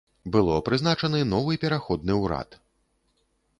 Было прызначаны новы пераходны ўрад.